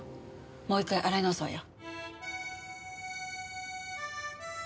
もう１回洗い直すわよ。